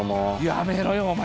やめろよお前